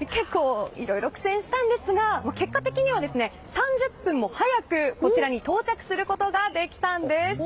結構いろいろ苦戦したんですが結果的には３０分も早くこちらに到着することができたんです。